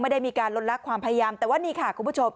ไม่ได้มีการลดลักความพยายามแต่ว่านี่ค่ะคุณผู้ชม